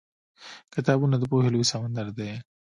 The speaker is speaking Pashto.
کتابونه د پوهې لوی سمندر دی.